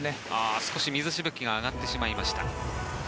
少し水しぶきが上がってしまいました。